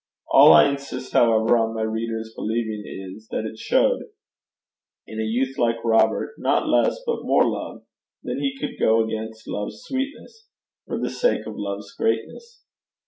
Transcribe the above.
All I insist, however, on my reader's believing is, that it showed, in a youth like Robert, not less but more love that he could go against love's sweetness for the sake of love's greatness.